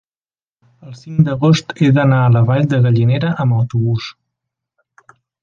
El cinc d'agost he d'anar a la Vall de Gallinera amb autobús.